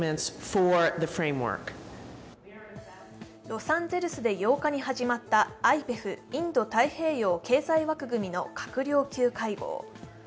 ロサンゼルスで８日に始まったＩＰＥＦ＝インド太平洋経済枠組みの閣僚級会合。